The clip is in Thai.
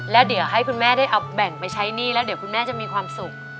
แล้วเดี๋ยวให้คุณแม่ได้เอาแบ่งไปใช้หนี้แล้วเดี๋ยวคุณแม่จะมีความสุข